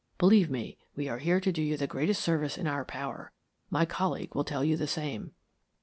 Believe me, we are here to do you the greatest service in our power. My colleague will tell you the same."